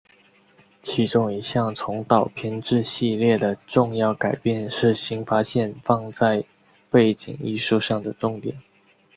其中一项从导片至系列的重要改变是新发现放在背景艺术上的重点。